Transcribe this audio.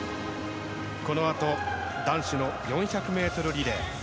このあと男子の４００ｍリレー。